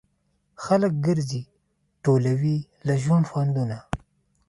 خلک ګرځي ټولوي له ژوند خوندونه